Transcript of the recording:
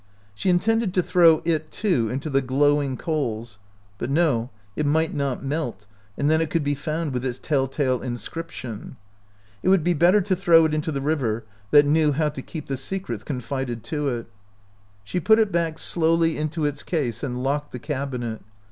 She intended to throw it, too, into the glowing coals; but no, it might not melt, and then it could be found with its tell tale inscription. It would be better to throw it into the river, that' knew how to keep the secrets confided to it. She 48 OUT OF BOHEMIA put it back slowly into its case and locked the cabinet.